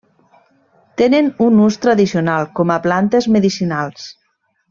Tenen un ús tradicional com a plantes medicinals.